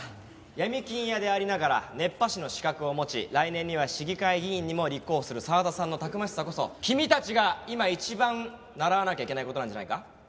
闇金屋でありながら熱波師の資格を持ち来年には市議会議員にも立候補する澤田さんのたくましさこそ君たちが今一番習わなきゃいけない事なんじゃないか？